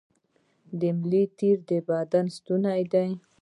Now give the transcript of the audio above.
د ملا تیر د بدن ستون دی